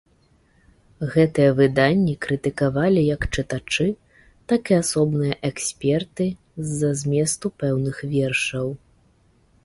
Гэтыя выданні крытыкавалі як чытачы, так і асобныя эксперты з-за зместу пэўных вершаў.